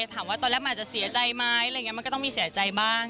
ถามว่าตอนแรกมันจะเสียใจไหมมันก็ต้องมีเสียใจบ้าง